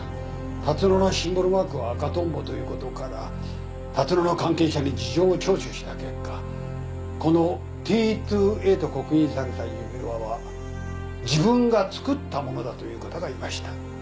龍野のシンボルマークは赤トンボということから龍野の関係者に事情を聴取した結果この「ＴｔｏＡ」と刻印された指輪は自分が作った物だという方がいました。